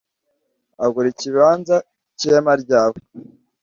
Agura ikibanza cy ihema ryawe